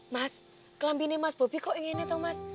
mas kelaminnya mas bobi kok ingin tomas